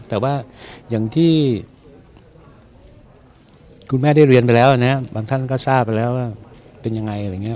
แต่ว่าอย่างที่คุณแม่ได้เรียนไปแล้วนะครับบางท่านก็ทราบไปแล้วว่าเป็นยังไง